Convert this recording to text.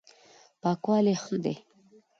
پاکوالی ښه دی.